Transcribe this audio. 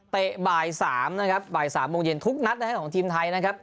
เตะบ่าย๓บ่าย๓โมงเย็นทุกนัดของทีมไทยนะครับ